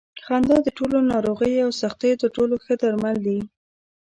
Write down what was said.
خندا د ټولو ناروغیو او سختیو تر ټولو ښه درمل دي.